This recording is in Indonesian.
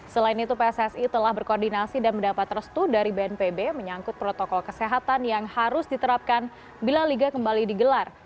selain itu pssi telah berkoordinasi dan mendapat restu dari bnpb menyangkut protokol kesehatan yang harus diterapkan bila liga kembali digelar